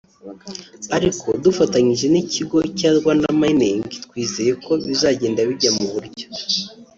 ariko dufatanyije n’Ikigo cya ‘Rwanda Mining’ twizeye ko bizagenda bijya mu buryo